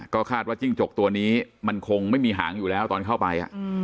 ก็คาดว่าจิ้งจกตัวนี้มันคงไม่มีหางอยู่แล้วตอนเข้าไป